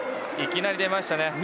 いきなり出ましたね！